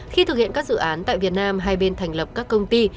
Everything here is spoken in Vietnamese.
khi thực hiện các dự án tại việt nam hai bên thành lập các công ty